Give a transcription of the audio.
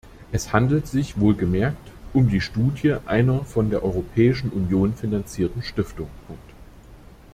Es handelt sich wohlgemerkt um die Studie einer von der Europäischen Union finanzierten Stiftung.